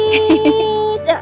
masih siapa nih